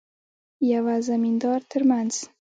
یوه زمیندار ترمنځ.